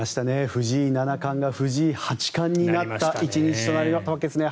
藤井七冠が藤井八冠になった１日になったわけですね。